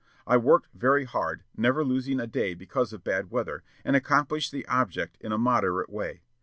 I worked very hard, never losing a day because of bad weather, and accomplished the object in a moderate way.